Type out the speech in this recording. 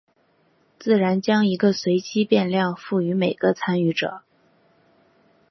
自然将一个随机变量赋予每个参与者。